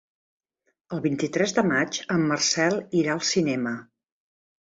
El vint-i-tres de maig en Marcel irà al cinema.